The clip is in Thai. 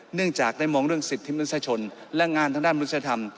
เนื่องจากได้มองเรื่องสิทธิมนุษยชนและงานทางด้านมนุษยธรรม